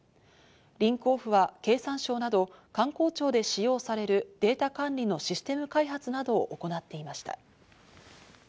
リンクオフは経産省など官公庁で使用されるデータ管理のシステム開発などを行っていました。